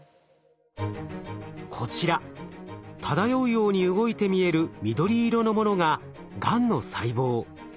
こちら漂うように動いて見える緑色のものががんの細胞。